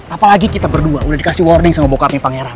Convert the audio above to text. apalagi kita berdua udah dikasih warning sama bokapnya pangeran